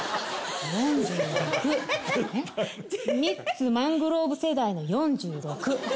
ねっミッツ・マングローブ世代の４６。